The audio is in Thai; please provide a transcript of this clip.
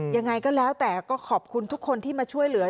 ยังไงก็แล้วแต่ก็ขอบคุณทุกคนที่มาช่วยเหลือ